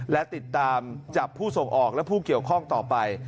และติดตามจับผู้ส่งออกและผู้เกี่ยวข้องต่อไป